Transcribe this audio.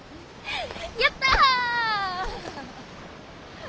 やった！